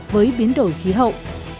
với biến đổi khí hậu